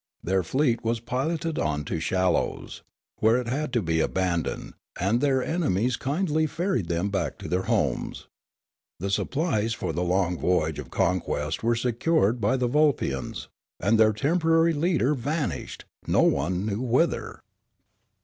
Their fleet was piloted on to shallows, where it had to be abandoned, and their enemies kindly ferried them back to their homes. The supplies for the long voyage of conquest were secured by the Vulpians; and their temporary leader vanished, no one knew whither.